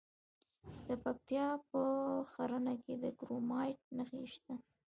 د پکتیکا په ښرنه کې د کرومایټ نښې شته.